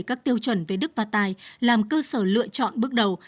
các tiêu chuẩn về đức và tài làm cơ sở lựa chọn bước đầu